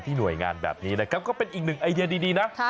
ที่หน่วยงานแบบนี้ก็เป็นอีกหนึ่งไอเดียดีนะ